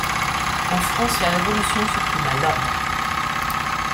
En France, la Révolution supprima l'ordre.